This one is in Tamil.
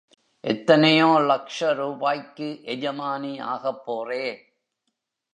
எத்தனையோ லக்ஷ ரூபாய்க்கு எஜமானி ஆகப்போறே.